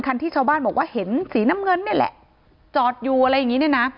ที่ชาวบ้านบอกว่าเห็นสีน้ำเงินนี่แหละจอดอยู่อะไรอย่างงี้เนี่ยนะ